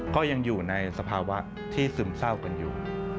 ก็ยังอยู่ในสภาวะที่ซึมเศร้ากันอยู่